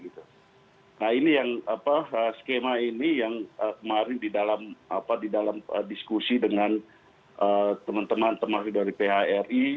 nah ini yang skema ini yang kemarin di dalam diskusi dengan teman teman dari phri